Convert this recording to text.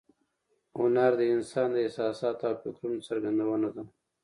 هنر د انسان د احساساتو او فکرونو څرګندونه ده